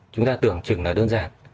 chúng ta tưởng chừng là đơn giản